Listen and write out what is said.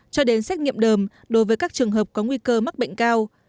cho đến xét nghiệm đờm đối với các trường hợp có nguy cơ mắc bệnh cao